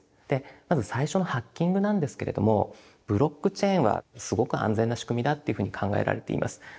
でまず最初のハッキングなんですけれどもブロックチェーンはすごく安全な仕組みだっていうふうに考えられています。